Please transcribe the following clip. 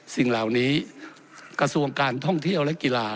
สิ่งเหล่านี้กระทรวงการท่องเที่ยวและกีฬา